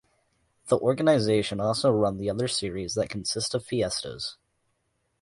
The organisation also run the other series that consists of Fiestas.